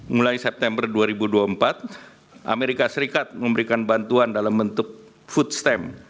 mulai september dua ribu dua puluh empat amerika serikat memberikan bantuan dalam bentuk food stem